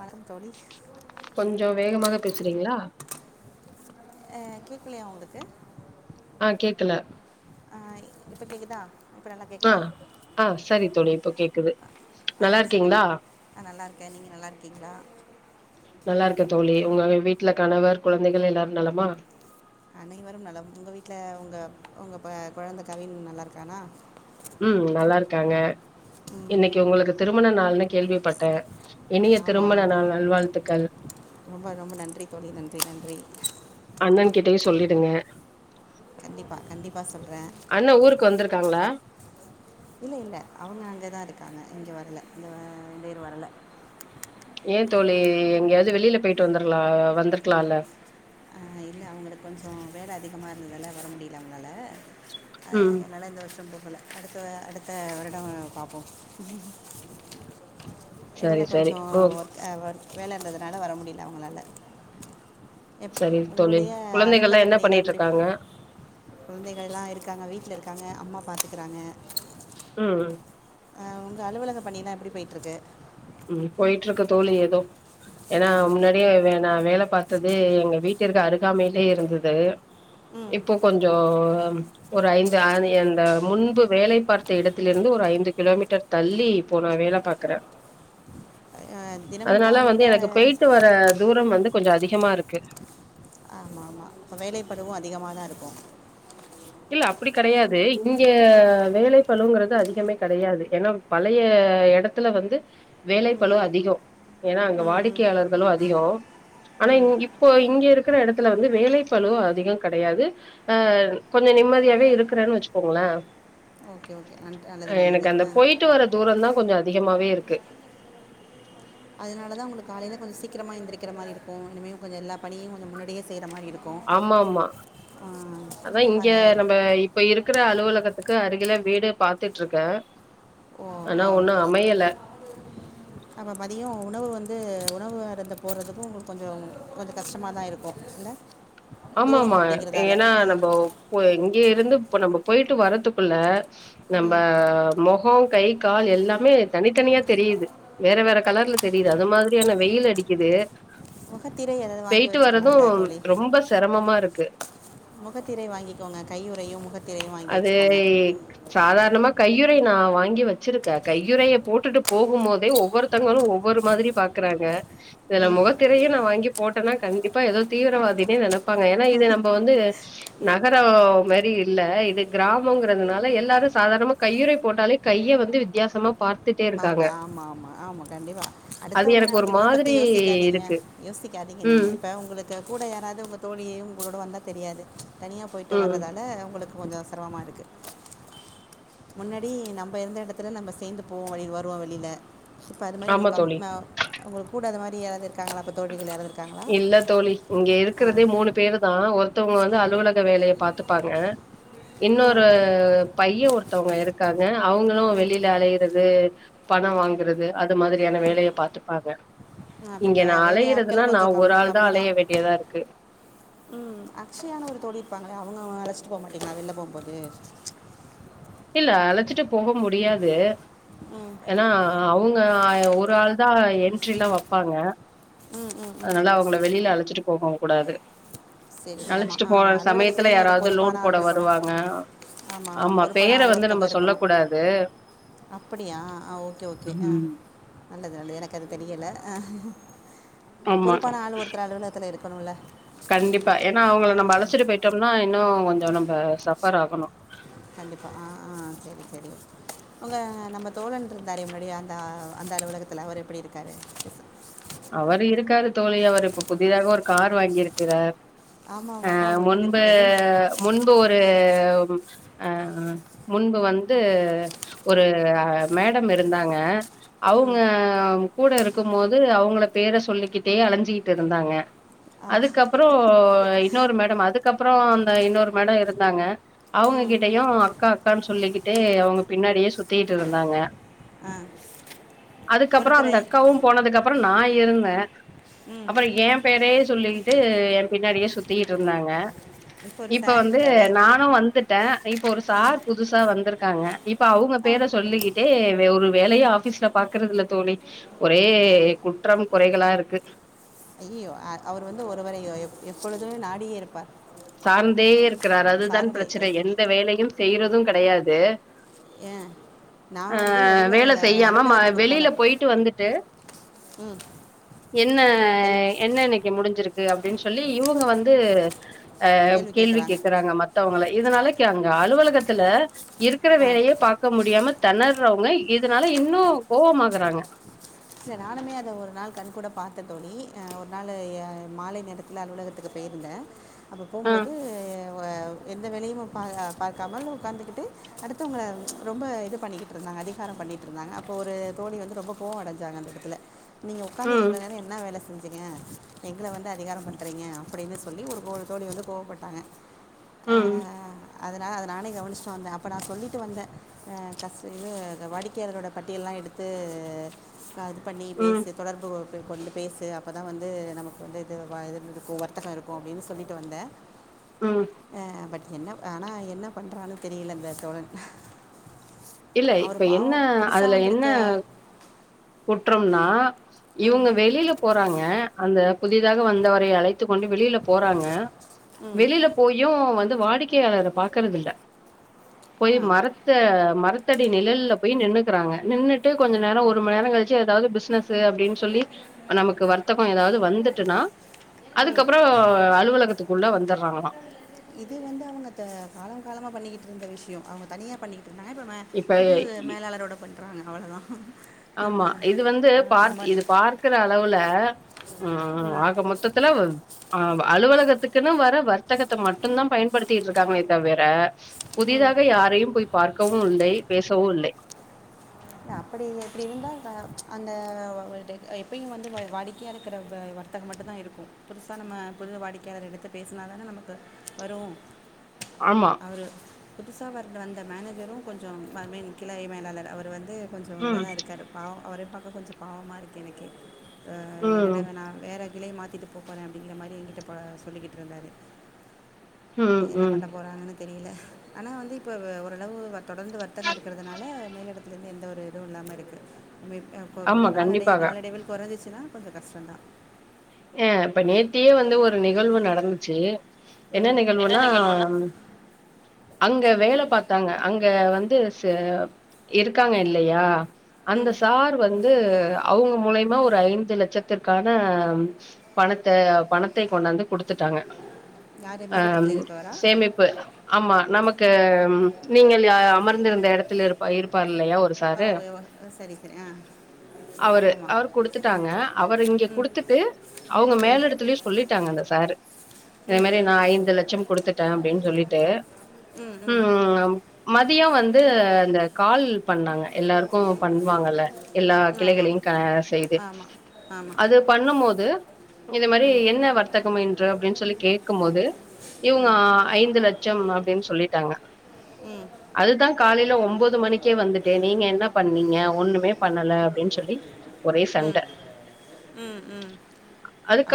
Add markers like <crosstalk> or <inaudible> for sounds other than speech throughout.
வணக்கம் தோழி கொஞ்சோ வேகமாக பேசுறீங்ளா ஆ கேக்லையா உங்ளுக்கு ஆ கேக்கல ஆ இப்ப கேக்குதா ஆ ஆ சரி தோழி இப்ப கேக்குது ஆ நல்லா சொல்லுங்க இருக்கீங்களா நா நல்லாருக்கே நீங்க நல்லாருக்கீங்ளா நல்லா இருக்கே தோழி உங்க வீட்ல கணவர் குழந்தைகள் எல்லாரு நலமா அனைவரும் நலம் உங்க வீட்ல உங்க ப கொழந்த கவின் நல்லாருக்கானா ம் நல்லாருக்காங்க ம் இன்னைக்கு உங்களுக்கு திருமண நாள்னு கேள்விப்பட்டே இனிய ஆமாம் திருமண ஆமாம் தோ- நாள் நல்வாழ்த்துக்கள் ரொம்ப ரொம்ப நன்றி தோழி நன்றி நன்றி அண்ணன் கிட்டயே சொல்லிடுங்க கண்டிப்பா கண்டிப்பா சொல்றே அண்ண ஊருக்கு வந்ருக்காங்ளா இல்ல இல்ல அவுங்க அங்க தா இருக்காங்க இங்க வரல இங்க இந்த இயர் வரல ஏ தோழி எங்கேயாவது வெளில போயிட்டு வந்தர்லா வந்திருக்லால்ல ஆ இல்ல அவுங்களுக்கு கொஞ்சோ வேல அதிகமா இருந்ததால வர முடில அவங்களால ம் அதனால இந்த வருஷோ போகல அடுத்த வ அடுத்த வருடோ பாப்போ சரி எடைல சரி கொஞ்சோ ஓ ஒர்க் ஒர்க் வேல இருந்ததுனால வர முடில அவுங்ளால எப் சரி தோழி உங்களுடைய குழந்தைகள்லா அலுவலகப் என்ன பணியெல்லா பண்ணிட்டு எப்படி இருக்காங்க குழந்தைகள்லா இருக்காங்க வீட்ல இருக்காங்க அம்மா பாத்துக்கறாங்க ம் ஆ உங்க அலுவலக பணில்லா எப்டி போயிட்ருக்கு ம் போயிட்ருக்கு தோழி ஏதோ ஏன்னா முன்னாடி யே வே நா வேல பாத்தது எங்க வீட்டிற்கு அருகாமையிலே இருந்தது ம் இப்போ கொஞ்ச ஒரு ஐந்து ஆன அந்த முன்பு வேலை பார்த்த இடத்திலிருந்து ஒரு ஐந்து கிலோமீட்டர் தள்ளி இப்போ நா வேல பாக்கற அஹ், தினமும் அதனால வந்து காலையில் எனக்கு பேய்ட்டு வர தூரம் வந்து கொஞ்சோ அதிகமா இருக்கு ஆமாமா அப்போ வேலைப்பளுவும் அதிகமாக தா இருக்கும் இல்ல அப்டி கெடையாது இங்க ம் வேலைப் பளுங்கறது அதிகமே கெடையாது ஏன்னா பழைய எடத்துல வந்து வேலைப்பளு அதிக ஏன்னா அங்க வாடிக்கையாளர்களு அதிக ஆனா இங் இப்போ இங்க இருக்கிற எடத்துல வந்து வேலைப்பளு அதிக கெடையாது ஆ கொஞ்ச நிம்மதியாவே இருக்கறேன்னு வச்சுக்கோங்கள ஓகே ஓகே அன்ட் நல்லது நல்லது ஆ போயிட்டு வர தூரந்தா கொஞ்சோ அதிகமாவே இருக்கு அதனால தா உங்களுக்கு காலைல கொஞ்ச சீக்கிரமா எந்திரிக்கிற மாரி இருக்கு இனிமே கொஞ்ச எல்லா பணியு கொஞ்ச முன்னடியே செய்ற மாரி இருக் ஆமாமா அதா இங்க ஆஹ் நம்ப இப்ப இருக்கற அலுவலகத்துக்கு அருகில வீடே பாத்துட்ருக்க ஓ ஓ நாங்க மதிய உணவு வந்து உணவு அருந்த போறதுக்கு உங்களுக்கு கொஞ்ச கொஞ்ச கஷ்டமா தா இருக்கும் இல்ல ஆமாமா ஏன்னா நம்ப ப இங்க இருந்து இப்ப நம்ப போயிட்டு வர்றதுக்குள்ள நம்ப ம் மொக கை கால் எல்லாமே தனித்தனியா தெரியுது வேற வேற கலர்ல தெரியுது அது மாதிரியான வெயில் அடிக்குது முகத்திரை ஏதாவது வாங்கி பெய்ட்டு வச்சுக்கலாம்ல வரதும் தோழி ரொம்ப செரமமா இருக்கு மொகத்திரை வாங்கிக்கோங்க கையுறையு முகத் அது சாதாரணமா கையுறை நா வாங்கி வச்சிருக்கே கையுறைய போட்டுட்டு போகும் போதே ஒவ்வொரு த்தங்களு ஒவ்வொரு மாதிரி பாக்குறாங்க இதுல முகத்திரையு நா வாங்கிப் போட்டேன்னா கண்டிப்பா ஏதோ தீவிரவாதினே நெனைப்பாங்க ஏன்னா இது நம்ப வந்து நகரோ மாரி இல்ல இது கிராமம்ங்கிறதுனால எல்லாரு சாதாரணமா கையுறை போட்டாலே கைய வந்து வித்தியாசமா பார்த் பாங்க ஆமா ஆமா ஆமா கண்டிப்பா அது அடுத்தவங்க எனக்கு ஒரு நெனைக்குறதெல்லா பத்தி மாதிரி யோசிக்காதீங்க இருக்கு யோசிக்காதீங்க நீங்க ம் இப்போ உங்களுக் க்கு கூட யாராவது உங்க தோழியையு உங்களோட வந்தா தெரியாது தனியா போயிட்டு ம் வர்றதால உங்களுக்கு கொஞ்சோ செரமமா இருக்கு முன்னாடி நம்ப இருந்த எடத்துல நம்ப சேந்து போவோ வழி வருவோ வெளியில இப்போ அது மாரி ஆமா உங்கள் கம் தோழி ம உங்கள் கூட அந்த மாரி யாராவது இருக்காங்களா இப்போ தோழிகள் யாராது இல்ல தோழி இங்க இருக்கிறதே மூணு பேருதா ஒருத் தங்க வந்து ம் அலுவலக வேலைய பாத்துப்பாங்க இன்னொரு பைய ஒருத் ஒருத்தவங்க இருக்காங்க அவங்களும் வெளியில அலையிற து பணம் வாங்குறது அது மாதிரியான வேலைய பாத்துப்பாங்க ஆ அப்பப்ப வேலையாட்கள் னா நா ஒரு ஆள் தா அலைய வேண்டியதா இருக்கு ம் அக்ஷயான்னு ஒரு தோழி இருப்பாங்களே அவங்கவுங்க அழைச்சிட்டு போக மாட்டீங்களா வெளில போகும்போது இல்ல அழைச்சிட்டு போக முடியாது ம் ஏன்னா அவங்க ஒரு ஆள் தா என்ட்ரிலா வப்பாங்க ம் ம் லா அவங்கள வெளில அழைச்சிட்டு போகவுங் கூடாது சரி சரி ஆமாம் அழைச்சிட்டு போற சமயத்துல அலுவலகத்துலேயும் ஒரு யாராவது லோடு பொறுப்பான ஆள் போட இருக்கணும் வருவாங்க ஆமாம் ஆமாம் ஆம்மா பொறுப்பான பெயர ஆள் வந்து நம்ம ஒருத்தவங்க சொல்ல இருக்கணும் கூடாது அப்படியா ஆ ஓகே ஓகே ஆ ம் நல்லது நல்லது எனக்கு அது தெரியல ஆமா பொறுப்பான ஆளு ஒருத்தர் அலுவலகத்துல இரு ப்பனுல்ல கண்டிப்பா ஏன்னா அவங்கள நம்ம அழச்சுட்டு போயிட்டோம்னா இன்னு கொஞ்சோ நம்ப சஃபர் ஆகணு கண்டிப்பா ஆ ஆ செரி செரி அவுங்க நம்ம தோழன் இருந்தாரே முன்னாடி அந்தா அந்த அலுவலகத்துல அவரு எப்பிடி இருக்காரு அவரு இருக்காரு தோழி அவர் இப்ப புதிதாக ஒரு கார் வாங்கியிருக்கிறார் ஆமாம் ஆ ஆமாம் தான் அது என்னிடம் முன்பு என்னிடம் முன்பு ஒரு ஆம் முன்பு வந்து ஒரு மேடம் இருந்தாங்க அவங்க கூட இருக்கும் போது அவங்களோட பேர சொல்லிக்கிட்டே அலஞ்சிக்கிட்டு இருந்தாங்க ஆமாம் அதுக்கப்பறோ இன்னொரு மேடம் அதுக்கப்பறோ அந்த இன்னொரு மேடம் இருந்தாங்க அவங்க கிட்டையு அக்கா அக்கான்னு சொல்லிக்கிட்டே அவுங்க பின்னாடியே சுத்தீட்டு இருந்தாங்க ஆ அதுக்கப்பறோ ஒருத்தரை அந்த அக்காவு போனதுக்கப்பறோ நா இருந்தே அப்பறோ ஏம் பேரே சொல்லிக்கிட்டு எம் பின்னாடியே சுத்திட்ருந்தாங்க இப்போ ஒரு இப்ப சார் வந்து இருக்கார் நானு வந்துட்டே இப்ப ஒரு சார் புதுசா வந்திருக்காங்க இப்போ அவுங்க பேர அவர் சொல்லிக்கிட்டே வே ஒரு வேலையு ஆஃபீஸ்ல பாக்குறதுல்ல தோழி ஒரே ஆ குற்றம் குறைகளா இருக்கு து யார் அவரு வந்து ஒருவரையோ எ எப்பொழுதுமே நாடியே இருப்பார் சார்ந்தே இருக்கிறார் அதுதா சார்ந்தே பிரச்சனை எஸ் எந்த வேலயும் செய்யுறது கெடையாது ஏன் நான் ஆ வந்து இடையில வேல செய்யாம ம அலுவலகத்துக்கு போன வெளியில போயிட்டு வந்துட்டு ம் எல் என்னாய் என்ன இன்னக்கி முடிஞ்சிருக்கு அப்பிடின்னு சொல்லி இவுங்க வந்து ஆ கேள்வி கேக்குறாங்க மத் த்தவங்கள இதனால கே அங்க அலுவலகத்துல இருக்கிற ஆ வேலையே பாக் பாக்க முடியாம தெணர்றவங்க இதனால இன்னு கோவமாகுறாங்க சே நானுமே அத ஒரு நாள் கண் கூடா பாத்த தோழி ஒரு நாளு ய மாலை நேரத் இல்ல அலுவலகத்துக்கு போயிருந்தே அப்போ ஆ போம்போது வ எந்த வேலயும் பா பாக்காமல் உக்காந்துக்கிட்டு அடுத்தவங்கள ரொம்ப இது பண்ணிக்கிட்ருந்தாங்க அதிகாரம் பண்ணிட்ருந்தாங்க அப்போ ஒரு தோழி வந்து ரொம்ப கோவ அடஞ் ஜாந்த அந்த எ டத்துல நீங்க உக்காந்து ம் இவ்ளோ நேரோ என்னா வேல செஞ்ச சிங்க எங்கள வந்து அதிகாரம் பண்றீங்க அப்படின்னு சொல்லி ஒரு தோ தோழி வந்து கோவப்பட்டாங்க ஆ ம் அதனால அத நானே கவனிச்ட்டு வந்தே அப்ப நா சொல்லிட்டு வந்தே ஆ கஷ் இது வாடிக்கையாளர்களோட பட்டியல்லா எடுத்து இது பண்ணி ம் பேசு தொடர்பு கொ வந்து பேசு அப்போ தா வந்து நமக்கு வந்து இது இது இருக்கு வர்த்தமா இருக்கு அப்டின்னு சொல்லிட்டு வந்தே <inaudible> ம் ஆ பட் என்ன ஆனா என்ன பண்றான்னு தெரில பத தோழன் இல்ல அவரு இப்ப பாவோ என்ன புதுசா அதுல என்ன வந்திருக்க குற்றம்னா இவங்க வெளில போறாங்க அந்த புதிதாக வந்தவரை அழைத்து கொண்டு வெளில போறாங்க வெளில போயும் வந்து வாடிக்கையாளர பார்கறது இல்ல ஆ போய் மரத்த மரத் காத்தாடி நிலல்ல போய் நின்றுக்குறாங்க நின்றுட்டு கொஞ்ச நேரம் ஒரு மணி நேரம் கழிச்சு ஏதாவது பிஸ்னஸ் அப்டின்னு சொல்லி நமக்கு வர்த்தகம் ஏதாவது வந்துட்டன்னா அதுக்கப்புறம் அலுவலகத்துக்குள்ள வந்துடுறாங்களாம் இது வந்து அவுங்க த காலங்காலமா பண்ணிக்கிட்டு இருந்த விஷயோம் அவங்க தனியா பண்ணி மாபுமா இப்ப புது இ மேலாளரோட பண்றாங்க அவ்ளோதான் ஆமா இது வந்து பாத் இது பார்க்குற அளவுல ம் ஆக மொத்தத்துல வ ஆ அலுவலகத்துக்குன்னு வர வர்த்தகத்தை மட்டுந்தான் பயன்படுத்திகிட்டு இருக்காங்களே தவிர ம் புதிதாக யாரையும் போய் பார்க்கவும் இல்லை பேசவும் இல்லை அப்டி எப்டி இருந்தா தா அந்த வவள்ட்ட எப்பயும் வந்து வா வாடிக்கையா இருக்கிறவங்க வந் தது மட்டும் தான் இருக்கும் புதுசா நம்ம புது வாடிக்கையாளர்களுக்கு பேசுனா தானே நமக்கு பரும் ஆமா அவர் புதுசாவார்ட வந்த மேனேஜரும் கொஞ்சோ அ மென் கிளை மேலாளர் அவர் வந்து கொஞ்சம் இத ம் தான் இருக்கார் பாவம் அவரையும் பார்க்க கொஞ்சம் பாவமா இருக்கு எனக்கே ஆ ம் என்னடவ நான் வேறு கிளையை மாத்திட்டு போ போறேன் அப்டிங்கிற மாரி என்கிட்டப்ப சொல்லிக்கிட்டு இருந்தாரு ம் என்ன ம் பண்ண போறாங்கன்னு தெரில ஆனா வந்து இப்ப ஓரளவு வ தொடர்ந்து வர்த்தகம் இருக்கிறதுனால மேல இடத்துலருந்து எந்த ஒரு இதுவும் இல்லாம இருக்குது ஆமா <unintelligible> நாலடை கண்டிப்பாக நாலடைவில் குறைஞ்ச்சுனா கொஞ்சம் கஷ்டம்தான் ஆ இப்ப நேத்தியே வந்து ஒரு நிகழ்வு நடந்துச்சு என்ன ம் நிகழ்வுனா நிகழ்வுன்னா அங்க வேல சொல்லுங்கள் பாத் தாங்க அங்க வந்து ச இருக்காங்க இல்லையா அந்த ம் சார் வந்து இது அவுங்க மூலிமா ஒரு ஐந்து லட்சத்திற்கான பணத்த பணத்தை கொண்டாந்து குடுத்துட்டாங்க யார் அ மேலிடத்தில் இருப்பவரா சேமிப்பு ஆமா நமக்கு ம் நீங்கள் ய அமர்ந்திருந்த இடத் த்தில் இருப்பா இருப்பாரில்லையா ஒரு ஓ சாரு ஓ, சரி சரி ஆ அவரு ஆமாம் அவரு ஆ குடுத்துடாங்க அவரு இங்க குடுத்துட்டு அவுங்க மேலெடத்துலயு சொல்லிட்டாங்க அந்த சாரு ம் இதமாரி ம் நா ஐந்து லட்சம் குடுத்துட்டே அப்டின்னு சொல்லிட்டு ம் ஆ மதியோம் வந்து அ இந்த கால் பண்ணாங்க எல்லாருக்கு பண்ணுவாங்கல்ல எல்லா ஆமாம் கிளைகளையு க செய்து ஆமாம் ஆமாம் அது பண்ணம்போது இத மாரி என்ன வர்த்தகம் என்று அப்டின் சொல்லி கேட்குபோது இவங்க அ ஐந்து லட்சம் அப்டின் சொல்லிட்டாங்க ம் அது அதா காலேல ஒம்போது மணிக்கே வந்துட்டே நீங்க என்ன பண்ணீங்க ஒண்ணுமே பண்ணல அப்டின் சொல்லி ஒரே ம் சண்ட ம் ம்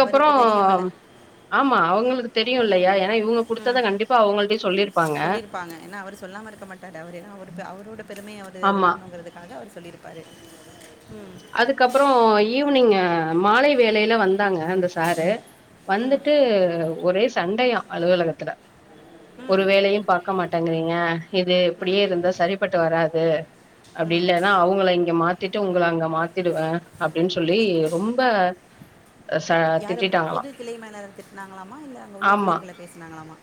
அவருக்கு தெரியுமில்ல ஆமா அவங்குளுக்கு தெரியு இல்லையா ஏன்னா இவுங்க குடுத்தத கண்டிப்பா அவங்கள்டியு சொல்லிரு சொல்லியிருபாங்க ஏன்னா அவுரு சொல்லாம இருக்க மாட்டாரு அவுரு ஏன்ன அவுரு அவுரோட பெருமைய அவுரு இது ஆமா பண்ணுங்கறது அதா அவ்ரு சொல்லிருப்பாரு ம் அதுக்கப்பறொ ஈவினிங் மாலை வேலைல வந்தாங்க அந்த சாரு ம் வந்துட்டு ஒரே சண்டையா அலுவலகத்துல ஒரு ம் வேலையு பாக்க மாட்டங்கிறீங்க இது ம் இப்டியே இருந்தா சரிப்பட்டு வராது அப்டி ம் இல்லன்னா அவுங்கள இங்க மாத்திட்டு உங்கள அங்க மாத்திடுவே அப்டின் சொல்லி இ- ரொம்ப ச யாரு திட்டிட்டாங்களா புது கிளைமேலாளர் திருட்டுனாங்களாமா இல்ல அங்க உள்ள ஆமா ஊழியர்கள பேசுனாங்களாமா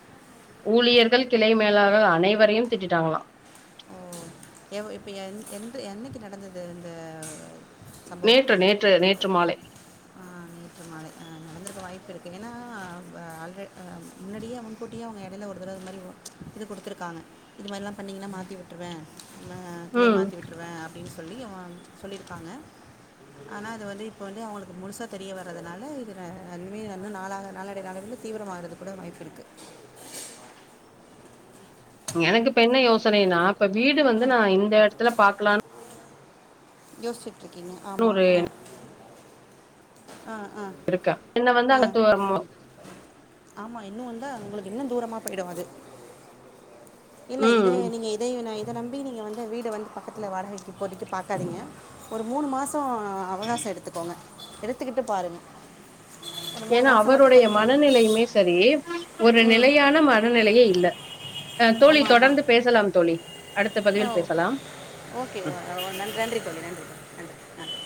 ஊழியர்கள் கிளை மேலாளர்கள் அனைவரையு திட்டிடாங்களா எவ ப் எந் எந்த என்னைக்கு நடந்தது இந்த நேற்று நேற்று நேற்று மாலை ஆங் ற்று மாலை அ நடந்துருக்க வாய்ப்பிருக்கு ஏனா அ ஆல்ரெ அ முன்னாடியே முன்கூட்டியே அவ்ங்க எடைல ஒரு தடவ இந் மாரி இது குடுத்துருக்காங்க இது மாரிலா பண்ணீங்னா மாத்தி விட்டுருவே அ கிளை ம் மாதி விட்டுருவே அப் ப்டின் சொல்லி அவோன் சொல்லிருக்காங்க ஆனா அது வந்து இப்ப வந்து அவுங்களுக் து முழுசா தெரிய வர்றதுனால இதுல அதுமே வந்து நாளாக நாளடைவுல நாளடைவுல தீவிரமாகுறதுக் கூட வாய்ப்பிருக்கு எனக்கு இப்ப என்ன யோசனைனா இப்ப வீடு வந்து ம் நா இந்த எடத்துல பாக்கலான் யோசிச்சுட்ருக்கீங்க ஆமா ஒரு அ அ அ இருக்க என்ன வந்து அங்க <unintelligible> ஆமா இன்னு வந்தா உங்களுக்கு இன்னு தூரமா போயிடு அது இல்ல இத ம் நீங்க இதையு நா இத நம்பி நீங்க வந்து வீடு வந்து பக்கத்துல வாடகைக்கு இப்போதிக்கு பாக்காதீங்க ஒரு மூணு மாசொ அவகாசோ எடுத்துகோங்க எடுதுக்குட்டு பாருங்க ஏனா அவருடைய மனநிலையுமே சரி ஒரு ம் நிலையான ம ன நிலையே இல்ல அ தோழி ஆமாம் ஆமாம் தொடர்ந்து பேசலாம் தோழி அடுத்த ஓ பதிவில் பேசலாம் ஓகே ஓ ஓ நன் நன்றி தோழி நன்றி தோழி நன்றி நன்றி